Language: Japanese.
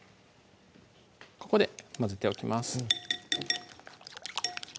ここで混ぜておきます